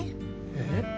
えっ？